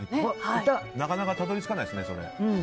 なかなかたどり着かないですね。